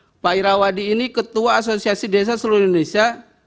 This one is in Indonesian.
pak irawadi ini ketua asosiasi desa seluruh indonesia